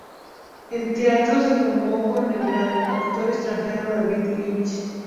En teatro se formó con el gran actor extranjero David Licht.